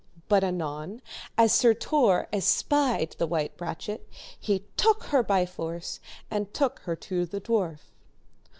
But anon as Sir Tor espied the white brachet, he took her by force and took her to the dwarf.